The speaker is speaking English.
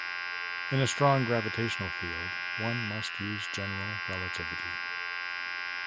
In a strong gravitational field, one must use general relativity.